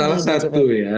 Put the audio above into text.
salah satu ya